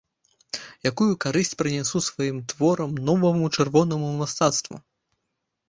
Якую карысць прынясу сваім творам новаму чырвонаму мастацтву?